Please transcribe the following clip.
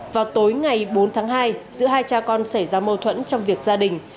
vào tối ngày bốn tháng hai giữa hai cha con xảy ra mâu thuẫn trong việc gia đình